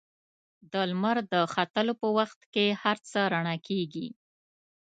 د لمر د ختلو په وخت کې هر څه رڼا کېږي.